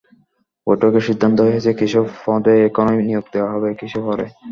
বৈঠকে সিদ্ধান্ত হয়েছে, কিছু পদে এখনই নিয়োগ দেওয়া হবে, কিছু পরে।